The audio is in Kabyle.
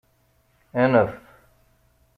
Anef.